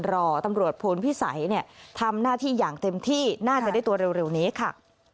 รอตำรวจโพนพิสัยทำหน้าที่อย่างเต็มที่น่าจะได้ตัวเร็วนี้ค่ะ